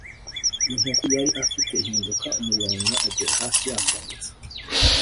Inkuku yali afite ihinduka umuyonga agera hasi yakongotse